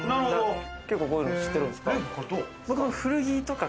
結構こういうの知ってるんですか？